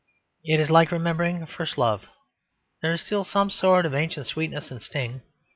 It is like remembering first love: there is still some sort of ancient sweetness and sting.